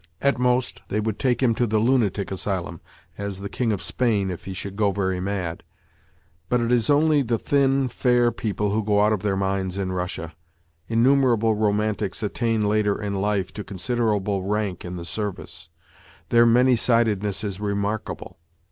At most, they would take him to the lunatic asylum as " the King of Spain " if he should go very mad. But it is only the thin, fair people who go out of their minds in Russia. Innumerable " romantics " attain later in life to considerable rank in the service. Their many sidedness is remarkable